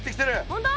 本当？